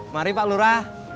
mari pak lura